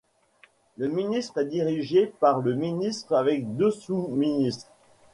Le ministre est dirigé par le ministre avec deux sous-ministres.